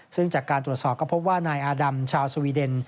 ซึ่งจากการตรวจสอบก็พบว่านายอาดำชาวสวีเดน